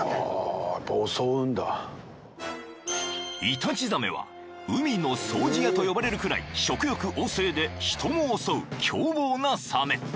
［イタチザメは海の掃除屋と呼ばれるくらい食欲旺盛で人も襲う凶暴なサメ］